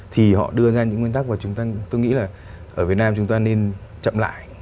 thì họ đưa ra những nguyên tắc và tôi nghĩ là ở việt nam chúng ta nên chậm lại